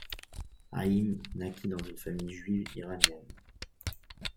Haïm naquit dans une famille juive iranienne.